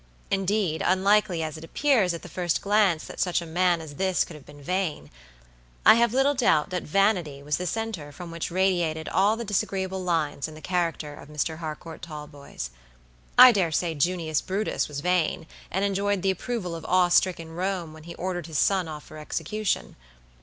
Indeed, unlikely as it appears at the first glance that such a man as this could have been vain, I have little doubt that vanity was the center from which radiated all the disagreeable lines in the character of Mr. Harcourt Talboys. I dare say Junius Brutus was vain, and enjoyed the approval of awe stricken Rome when he ordered his son off for execution.